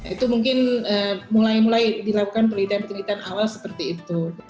itu mungkin mulai mulai dilakukan penelitian penelitian awal seperti itu